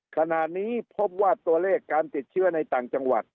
ขณะนี้พบว่าตัวเลขการติดเชื้อในต่างจังหวัด